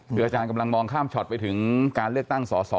คืออาจารย์กำลังมองข้ามช็อตไปถึงการเลือกตั้งสอสอ